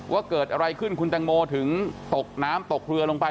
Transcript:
ว่าเกิดอะไรขึ้นคุณแตงโมถึงตกน้ำตกเรือลงไป